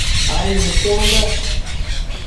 aid mishenda